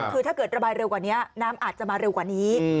คือถ้าเกิดระบายเร็วกว่านี้น้ำอาจจะมาเร็วกว่านี้